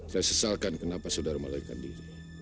saya sesalkan kenapa saudara melarikan diri